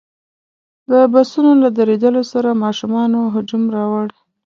د بسونو له درېدلو سره ماشومانو هجوم راوړ.